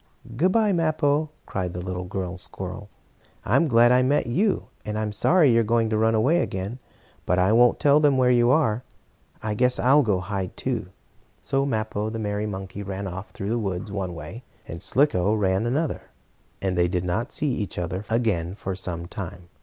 "Good bye, Mappo!" cried the little girl squirrel. "I am glad I met you, and I'm sorry you're going to run away again. But I won't tell them where you are. I guess I'll go hide, too." So Mappo, the merry monkey, ran off through the woods one way, and Slicko ran the other, and they did not see each other again for some time.